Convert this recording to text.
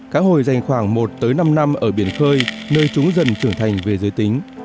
cá hồi dành khoảng một tới năm năm ở biển phơi nơi chúng dần trưởng thành về giới tính